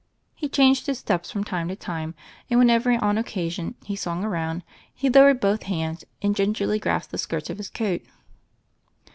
He changed his steps from time to time, and, whenever, on occasion, he swung around, he lowered both hands and gingerly grasped the skirts of his coat.